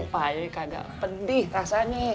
supaya kagak pedih rasanya